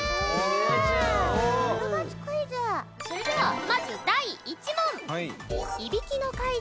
それではまず第１問。